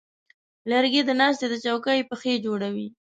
لرګی د ناستې د چوکۍ پښې جوړوي.